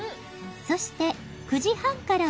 「そして９時半からは」